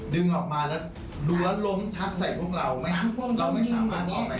ดึงออกมาแล้วดูแล้วล้มทับใส่พวกเราไหมเราไม่สามารถออกไป